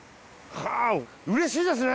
うれしいですね！